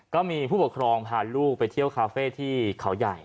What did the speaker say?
ก็มีผู้ปกครองพาลูกไปเที่ยวคาเฟ่ที่เขาใหญ่